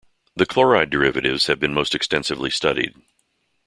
The chloride derivatives have been most extensively studied.